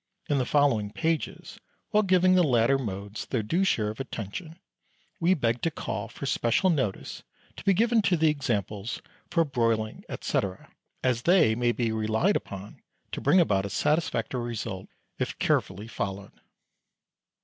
In the following pages, while giving the latter modes their due share of attention, we beg to call for special notice to be given to the examples for broiling, &c., as they may be relied upon to bring about a satisfactory result if carefully followed.